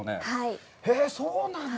へー、そうなんだ。